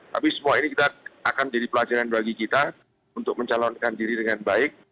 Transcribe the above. tapi semua ini akan menjadi pelajaran bagi kita untuk mencalonkan diri dengan baik